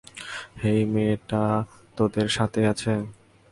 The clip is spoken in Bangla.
হেই, মেয়েটা তোদের সাথেই আছে?